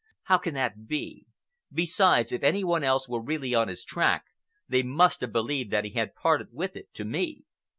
"How can that be? Besides, if any one else were really on his track, they must have believed that he had parted with it to me.